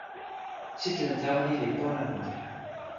sitelen tawa ni li pona mute.